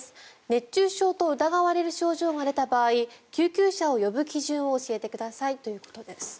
熱中症と疑われる症状が出た場合救急車を呼ぶ基準を教えてくださいということです。